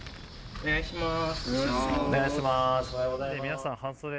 お願いします。